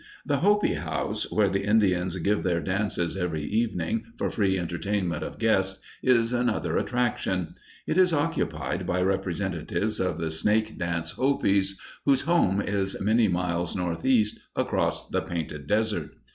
The Hopi House, where the Indians give their dances every evening for free entertainment of guests, is another attraction. It is occupied by representatives of the Snake Dance Hopis, whose home is many miles northeast across the Painted Desert.